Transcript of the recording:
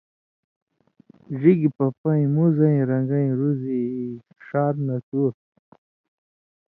ڙِگیۡ پپَیں، مُزیں رن٘گَیں رُزی، ݜار نسُور،